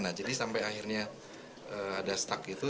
nah jadi sampai akhirnya ada stuck itu